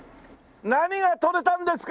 何が取れたんですか？